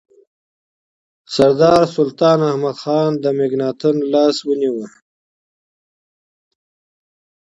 سردار سلطان احمدخان د مکناتن لاس ونیو.